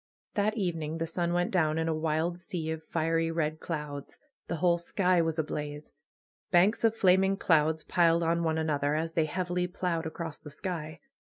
That evening the sun went down in a wild sea of fiery red clouds. The whole sky was ablaze. Banks of flaming clouds piled on one another, as they heavily ploughed across the sky.